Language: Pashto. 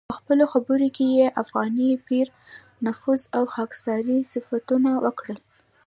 په خپلو خبرو کې یې د افغاني پیر نفوذ او خاکساري صفتونه وکړل.